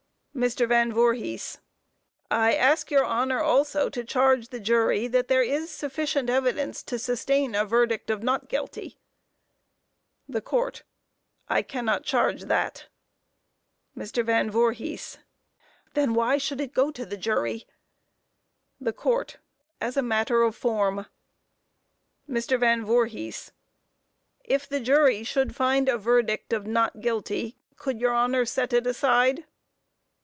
MR. VAN VOORHIS: I ask your Honor also to charge the jury that there is sufficient evidence to sustain a verdict of not guilty. THE COURT: I cannot charge that. MR. VAN VOORHIS: Then why should it go to the jury? THE COURT: As a matter of form. MR. VAN VOORHIS: If the jury should find a verdict of not guilty, could your Honor set it aside?